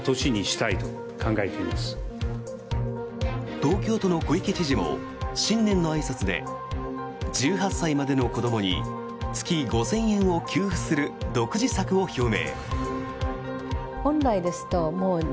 東京都の小池知事も新年のあいさつで１８歳までの子どもに月５０００円を給付する独自策を表明。